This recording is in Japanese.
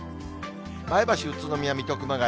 前橋、宇都宮、水戸、熊谷。